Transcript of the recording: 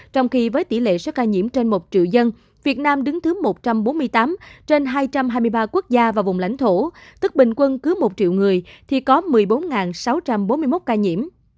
trong khi với tỷ lệ số ca nhiễm trên một triệu dân việt nam đứng thứ một trăm bốn mươi tám trên hai trăm hai mươi ba quốc gia và vùng lãnh thổ tức bình quân cứ một triệu người thì có một mươi bốn sáu trăm bốn mươi một ca nhiễm